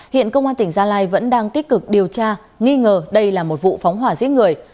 hiện công an tỉnh gia lai vẫn đang tích cực điều tra nghi ngờ đây là một vụ phóng hỏa giết người